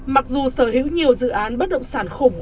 mặc dù sở hữu nhiều dự án bất động sản khủng